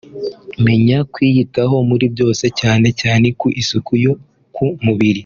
Menya kwiyitaho muri byose cyane cyane ku isuku yo ku mubiri